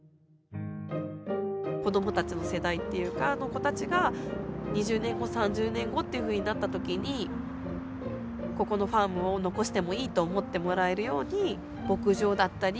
子供たちの世代っていうかあの子たちが２０年後３０年後っていうふうになった時にここのファームを残してもいいと思ってもらえるように牧場だったり